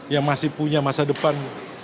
yang masih punya masa depan